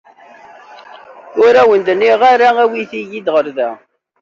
Ur awen-d-nniɣ ara awit-iyi-d ɣer da.